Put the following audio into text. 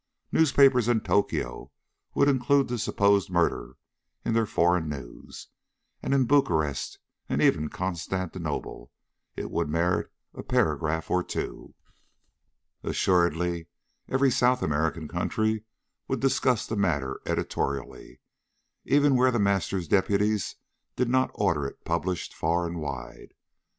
Newspapers in Tokio would include the supposed murder in their foreign news, and in Bucharest and even Constantinople it would merit a paragraph or two. Assuredly every South American country would discuss the matter editorially, even where The Master's deputies did not order it published far and wide.